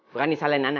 berani salahkan anda